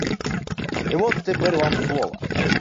И вот теперь вам слово.